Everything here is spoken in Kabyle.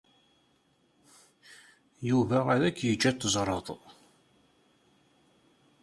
Yuba ad k-yeǧǧ ad teẓreḍ.